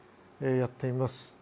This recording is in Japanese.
やってみます。